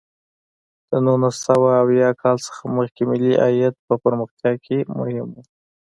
د نولس سوه اویا کال څخه مخکې ملي عاید په پرمختیا کې مهم و.